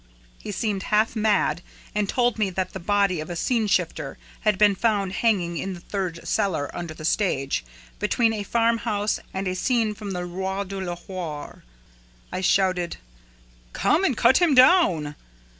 He seemed half mad and told me that the body of a scene shifter had been found hanging in the third cellar under the stage, between a farm house and a scene from the Roi de Lahore. I shouted: "'Come and cut him down!'